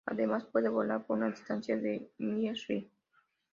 Además puede volar por una distancias de mil ri.